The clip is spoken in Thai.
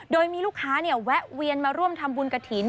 โดยมีลูกค้าแวะเวียนมาร่วมทำบุญกระถิ่น